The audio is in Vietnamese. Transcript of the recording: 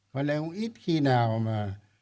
có lẽ cũng ít khi nào mà